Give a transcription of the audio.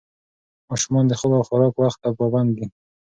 ماشومان د خوب او خوراک وخت ته پابند دي.